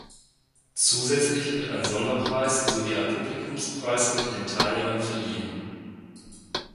Zusätzlich wird ein Sonderpreis sowie ein Publikumspreis unter den Teilnehmern verliehen.